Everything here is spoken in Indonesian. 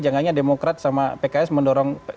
jangan jangan demokrat sama pks mendorong